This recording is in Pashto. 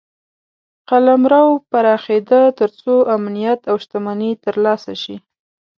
قلمرو پراخېده تر څو امنیت او شتمني ترلاسه شي.